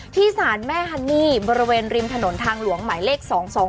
ที่ศาลแม่ฮันนี่บริเวณริมถนนทางหลวงหมายเลข๒๒